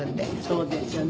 そうですよね。